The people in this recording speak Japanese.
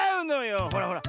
ほらほら